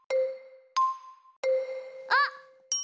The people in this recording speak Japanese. あっ！